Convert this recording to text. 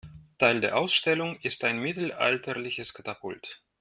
Teil der Ausstellung ist ein mittelalterliches Katapult.